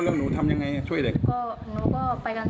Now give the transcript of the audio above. เราเห็นสภาพน้องมันเป็นยังไงบ้าง